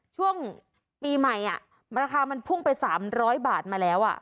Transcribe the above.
ช่วงปีใหม่ราคามันพุ่งไป๓๐๐บาทมาแล้ว